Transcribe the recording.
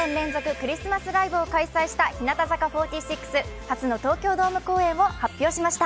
クリスマスライブを行った日向坂４６初の東京ドーム公演を発表しました。